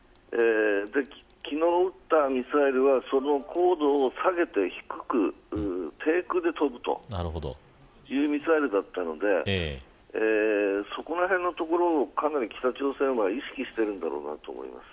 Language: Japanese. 昨日、撃ったミサイルはその高度を下げて低く、低空で飛ぶというミサイルだったのでそのあたりを北朝鮮は意識しているんだと思います。